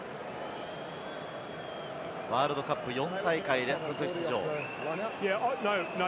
ワールドカップ４大会連続出場。